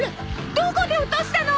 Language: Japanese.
どこで落としたの！？